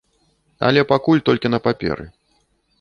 Але пакуль толькі на паперы.